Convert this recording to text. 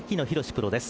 プロです。